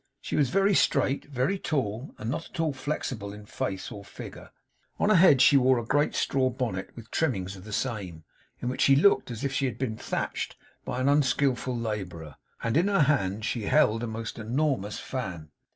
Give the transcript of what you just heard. She was very straight, very tall, and not at all flexible in face or figure. On her head she wore a great straw bonnet, with trimmings of the same, in which she looked as if she had been thatched by an unskillful labourer; and in her hand she held a most enormous fan.